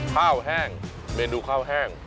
ข้าวแห้งเมนูข้าวแห้ง